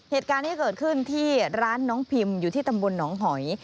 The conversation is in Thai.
เหตุการณ์ที่เกิดขึ้นที่ร้านน้องพิมพ์อยู่ที่ตำบลหนองหอย